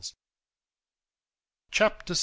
Chapter VI.